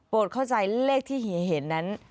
โปรดเข้าใจเลขที่เห็นนั้น